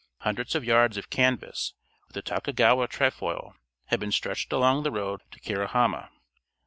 Hundreds of yards of canvas, with the Tokugawa trefoil, had been stretched along the road to Kurihâma.